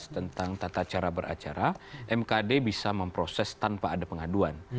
tentang tata cara beracara mkd bisa memproses tanpa ada pengaduan